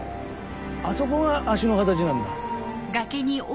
あそこが足の形なんだ。